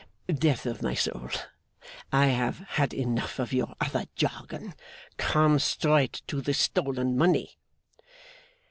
Death of my soul, I have had enough of your other jargon. Come straight to the stolen money!